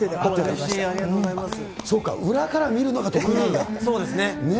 そうか、裏から見るのが得意そうですね。